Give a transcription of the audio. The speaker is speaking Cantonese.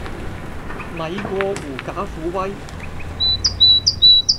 咪過狐假虎威